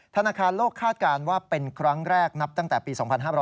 ธนาคารโลกคาดการณ์ว่าเป็นครั้งแรกนับตั้งแต่ปี๒๕๕๙